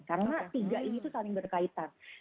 karena tiga ini tuh saling berkaitan